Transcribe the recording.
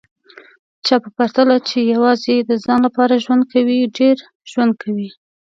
چا په پرتله چي یوازي د ځان لپاره ژوند کوي، ډېر ژوند کوي